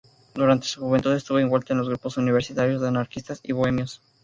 Durante su juventud estuvo envuelta en los grupos universitarios de anarquistas y bohemios.